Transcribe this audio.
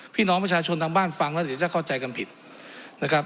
พี่น้องประชาชนทางบ้านฟังแล้วเดี๋ยวจะเข้าใจกันผิดนะครับ